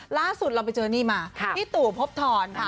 ล่าสุดเราไปเจอนี่มาพี่ตู่พบทรค่ะ